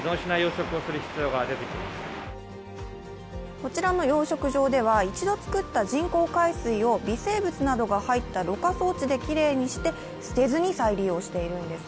こちらの養殖場では一度作った人工海水を微生物などが入った、ろ過装置できれいにして捨てずに再利用しているんです。